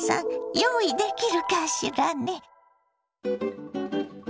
用意できるかしらね？